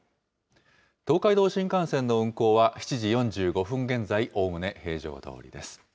東海道新幹線の運行は、７時４５分現在、おおむね平常どおりです。